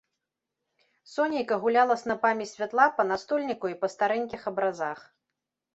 Сонейка гуляла снапамі святла па настольніку і па старэнькіх абразах.